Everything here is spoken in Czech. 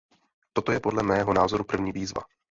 Toto je podle mého názoru první výzva.